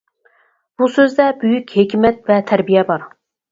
بۇ سۆزدە بۈيۈك ھېكمەت ۋە تەربىيە بار.